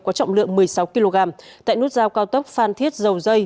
có trọng lượng một mươi sáu kg tại nút giao cao tốc phan thiết dầu dây